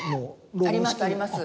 ありますあります